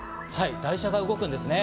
台車が動くんですね。